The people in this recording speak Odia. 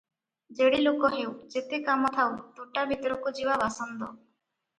ଯେଡ଼େ ଲୋକ ହେଉ, ଯେତେ କାମ ଥାଉ ତୋଟା ଭିତରକୁ ଯିବା ବାସନ୍ଦ ।